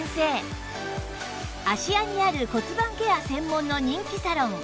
芦屋にある骨盤ケア専門の人気サロン